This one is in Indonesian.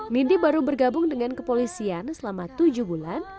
nindi baru bergabung dengan kepolisian selama tujuh bulan